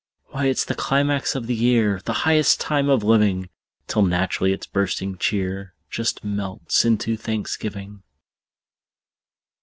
Why, it's the climax of the year, The highest time of living! Till naturally its bursting cheer Just melts into thanksgiving.